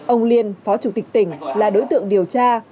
ông liên phó chủ tịch tỉnh là đối tượng điều tra